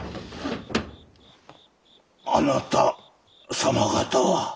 あなた様方は？